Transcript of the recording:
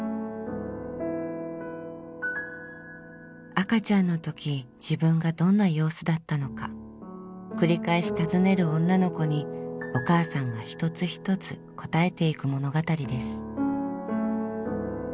赤ちゃんのとき自分がどんな様子だったのか繰り返し尋ねる女の子にお母さんが一つ一つ答えていく物語です。